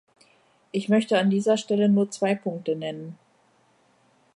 Ich möchte an dieser Stelle nur zwei Punkte nennen.